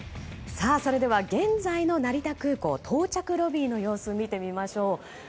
それでは現在の成田空港到着ロビーの様子を見てみましょう。